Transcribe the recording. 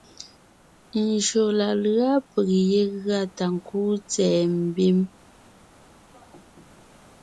Njÿó la lʉ́a peg yé gʉa ta ńkúu tsɛ̀ɛ mbím,